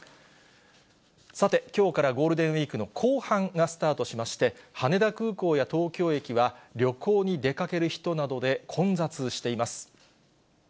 さて、きょうからゴールデンウィークの後半がスタートしまして、羽田空港や東京駅は、旅行に出かける人などで混雑しています。